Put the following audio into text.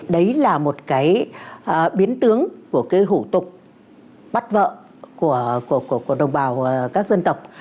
đấy là một cái biến tướng của cái hủ tục bắt vợ của đồng bào các dân tộc